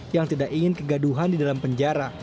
yang tidak ingin kegaduhan di dalam penjara